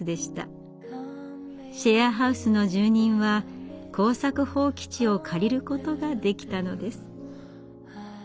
シェアハウスの住人は耕作放棄地を借りることができたのです。